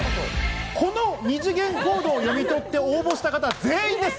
この二次元コードを読み取って応募した方、全員です！